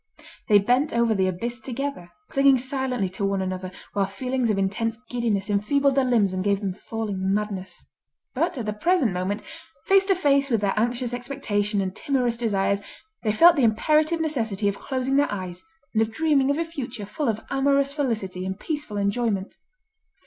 They bent over the abyss together, clinging silently to one another, while feelings of intense giddiness enfeebled their limbs and gave them falling madness. But at the present moment, face to face with their anxious expectation and timorous desires, they felt the imperative necessity of closing their eyes, and of dreaming of a future full of amorous felicity and peaceful enjoyment.